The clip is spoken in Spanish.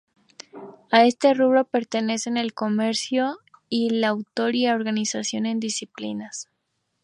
A este rubro pertenecen el comentario, el autor y la organización en disciplinas.